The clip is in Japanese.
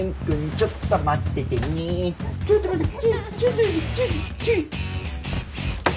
ちょっと待ってちょっとだけ。